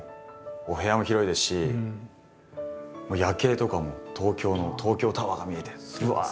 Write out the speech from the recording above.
お部屋も広いですし夜景とかも東京の東京タワーが見えてぶわっと。